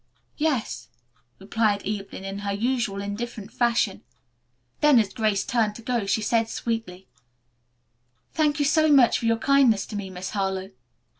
"Yes," replied Evelyn in her usual indifferent fashion. Then as Grace turned to go she said sweetly, "Thank you so much for your kindness to me, Miss Harlowe."